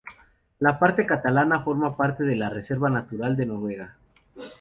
La parte catalana forma parte de la Reserva Natural de la Noguera.